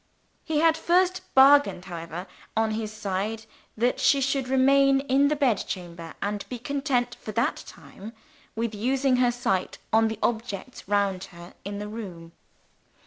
He had first bargained however, on his side, that she should remain in the bed chamber, and be content, for that time, with using her sight on the objects round her in the room.